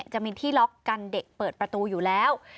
จะมีที่ล็อกกันเด็กเปิดประตูอยู่แล้ว